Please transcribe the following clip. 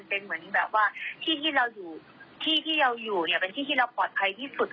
ใช้แรงแล้วแต่นี่เอาอาวุธ